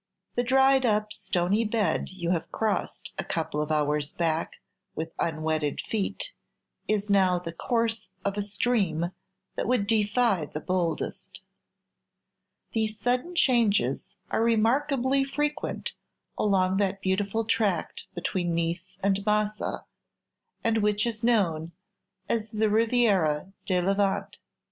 The dried up stony bed you have crossed a couple of hours back with unwetted feet is now the course of a stream that would defy the boldest. These sudden changes are remarkably frequent along that beautiful tract between Nice and Massa, and which is known as the "Riviera di Levante."